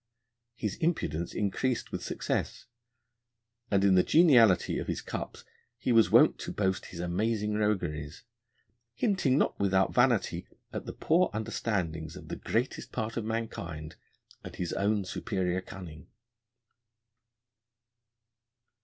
His impudence increased with success, and in the geniality of his cups he was wont to boast his amazing rogueries: 'hinting not without vanity at the poor Understandings of the Greatest Part of Mankind, and his own Superior Cunning.'